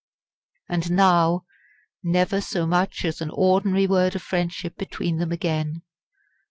And now never so much as an ordinary word of friendship between them again?